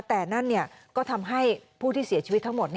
แต่นั่นก็ทำให้ผู้ที่เสียชีวิตทั้งหมด